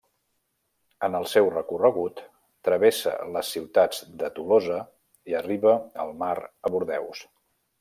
En el seu recorregut, travessa les ciutats de Tolosa i arriba al mar a Bordeus.